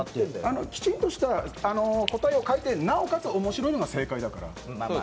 きちんとした答えを書いてなおかつ面白いのが正解だから。